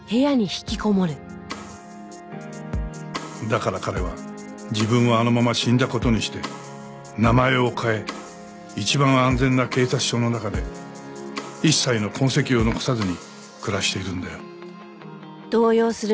だから彼は自分はあのまま死んだ事にして名前を変え一番安全な警察署の中で一切の痕跡を残さずに暮らしているんだよ。